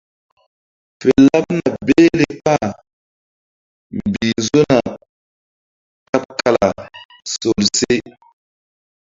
Fe laɓna behle kpah mbih nzona kaɓ kala sol ye se.